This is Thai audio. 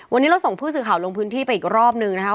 วันนี้เราส่งผู้สื่อข่าวลงพื้นที่ไปอีกรอบนึงนะคะ